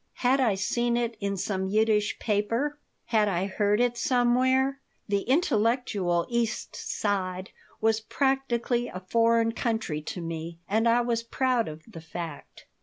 Had I seen it in some Yiddish paper? Had I heard it somewhere? The intellectual East Side was practically a foreign country to me, and I was proud of the fact.